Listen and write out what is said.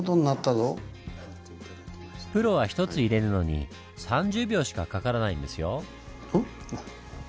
プロは１つ入れるのに３０秒しかかからないんですよ。